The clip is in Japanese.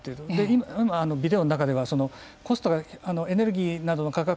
今ビデオの中ではコストがエネルギーなどの価格